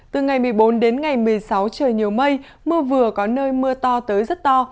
từ ngày một mươi bốn đến ngày một mươi sáu trời nhiều mây mưa vừa có nơi mưa to tới rất to